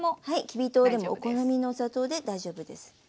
はいきび糖でもお好みのお砂糖で大丈夫です。